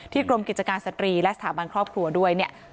ที่กรมกิจการสตรีและสถาบันครอบครัวด้วย